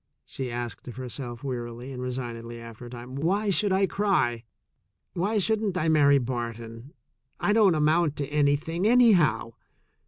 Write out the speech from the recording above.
she asked of herself wearily and resignedly after a time. "Why should I cry? Why shouldn't I marry Barton? I don't amount to anything, anyhow.